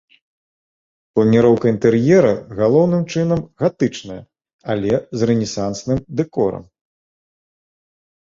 Планіроўка інтэр'ера галоўным чынам гатычная, але з рэнесансным дэкорам.